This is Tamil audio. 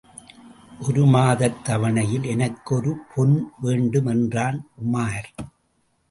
ஒருமாதத் தவணையில் எனக்கு ஒரு பொன் வேண்டும் என்றான் உமார்.